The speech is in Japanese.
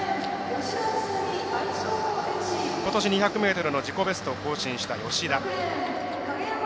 ことし２００ｍの自己ベストを更新した吉田。